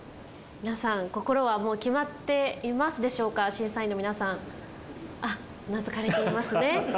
皆さん心はもう決まっていますでしょうか審査員の皆さん。あっうなずかれていますね。